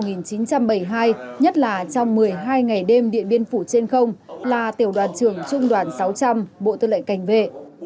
nhất là trong một mươi hai ngày đêm điện biên phủ trên không là tiểu đoàn trưởng trung đoàn sáu trăm linh bộ tư lệ cảnh vệ